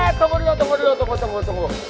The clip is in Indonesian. eh tunggu dulu tunggu dulu